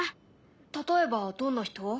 例えばどんな人？